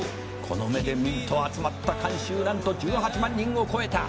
「この目で見んと集まった観衆何と１８万人を超えた」